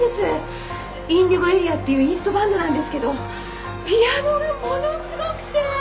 ＩｎｄｉｇｏＡＲＥＡっていうインストバンドなんですけどピアノがものすごくて！